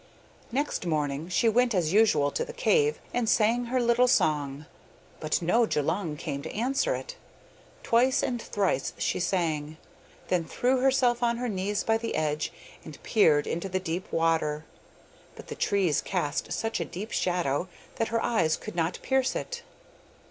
Next morning she went as usual to the cave, and sang her little song, but no Djulung came to answer it; twice and thrice she sang, then threw herself on her knees by the edge, and peered into the dark water, but the trees cast such a deep shadow that her eyes could not pierce it.